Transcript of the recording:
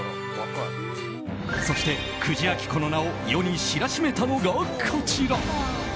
そして久慈暁子の名を世に知らしめたのがこちら。